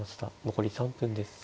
残り３分です。